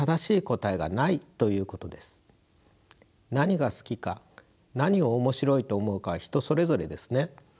何が好きか何を面白いと思うかは人それぞれですね。